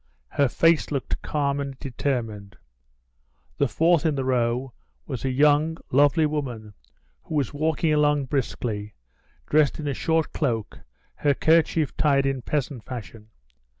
Her face looked calm and determined. The fourth in the row was a young, lovely woman who was walking along briskly, dressed in a short cloak, her kerchief tied in peasant fashion.